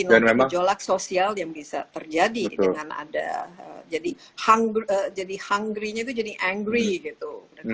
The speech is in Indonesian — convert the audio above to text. memang jolak sosial yang bisa terjadi dengan ada jadi hanggri jadi hanggri jadi angry gitu